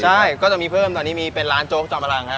ใช่ก็จะมีเพิ่มตอนนี้มีเป็นร้านโจ๊กจอมพลังฮะ